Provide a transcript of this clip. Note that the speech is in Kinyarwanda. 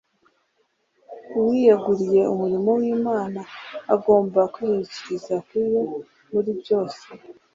Uwiyegunye umurimo w'Imana agomba kwishingikiriza kuri yo muri byose.